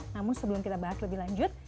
namun sebelum kita bahas lebih lanjut